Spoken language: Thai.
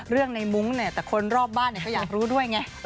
เรื่องในมุ้งเนี่ยแต่คนรอบบ้านก็อยากรู้ด้วยไง